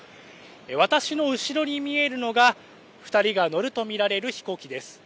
私の後ろに見えるのが２人が乗ると見られる飛行機です。